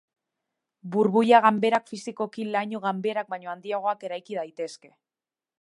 Burbuila ganberak fisikoki laino ganberak baino handiagoak eraiki daitezke.